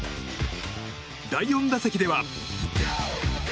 第４打席では。